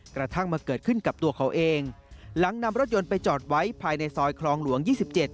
กระทั่งมาเกิดขึ้นกับตัวเขาเองหลังนำรถยนต์ไปจอดไว้ภายในซอยคลองหลวง๒๗